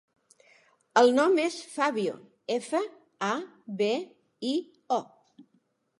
El nom és Fabio: efa, a, be, i, o.